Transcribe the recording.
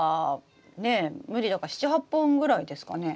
無理だから７８本ぐらいですかね？